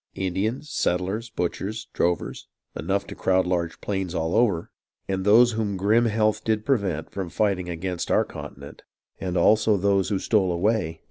Indians, settlers, butchers, drovers, . Enough to crowd large plains all over . And those whom grim health did prevent From fighting against our continent ;. And also those who stole away.